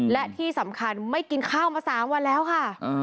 และที่สำคัญไม่กินข้าวมา๓วันแล้วค่ะ